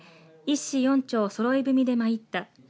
１市４町そろい踏みでまいった。